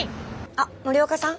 あっ森若さん？